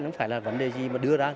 không phải là vấn đề gì mà đưa ra